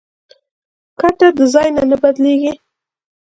کټه د ځای نه بدلېږي.